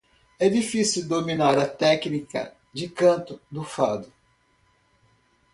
É difícil dominar a técnica de canto do fado.